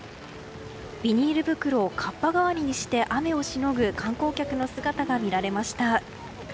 ビニール袋をかっぱ代わりにして雨をしのぐ観光客の姿が見られました。